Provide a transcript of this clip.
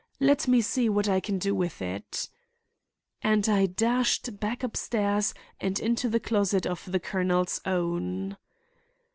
"Let me see what I can do with it." And I dashed back upstairs and into the closet of "The Colonel's Own."